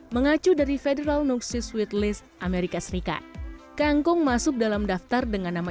mengacu dari federal noxious wheat list amerika serikat kangkung masuk dalam daftar dengan nama